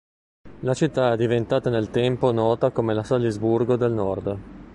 La città è diventata nel tempo nota come la "Salisburgo del Nord".